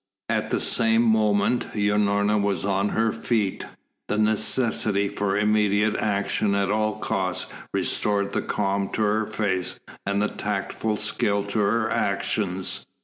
At the same moment Unorna was on her feet. The necessity for immediate action at all costs restored the calm to her face and the tactful skill to her actions.